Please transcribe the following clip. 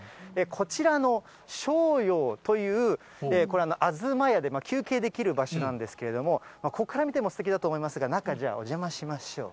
こちらの昌陽というこれ、あずまやで、休憩できる場所なんですけれども、ここから見てもすてきだと思いますが、中、じゃあ、お邪魔しましょう。